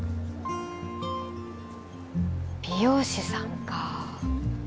美容師さんか。